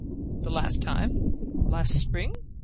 "The last time? Last spring?